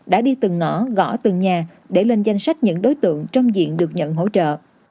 đã đi từng ngõ gõ từng nhà để lên danh sách những đối tượng trong diện được nhận hỗ trợ